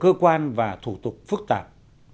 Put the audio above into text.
cơ quan và thủ tục phức tạp